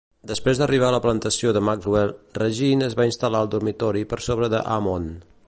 Després d'arribar a la plantació de Maxwell, Regine es va instal·lar al dormitori per sobre de Hammond.